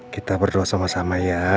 kita berdua sama sama ya